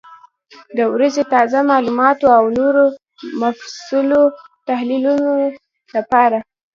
د ورځني تازه معلوماتو او نورو مفصلو تحلیلونو لپاره،